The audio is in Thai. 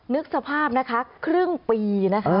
นึกสภาพครึ่งปี